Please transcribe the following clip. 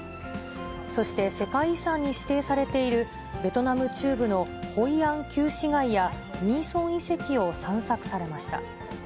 そして、世界遺産に指定されているベトナム中部のホイアン旧市街やミーソン遺跡を散策されました。